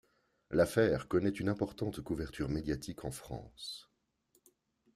L'affaire connaît une importante couverture médiatique en France.